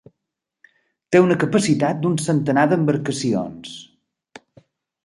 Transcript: Té una capacitat d'un centenar d'embarcacions.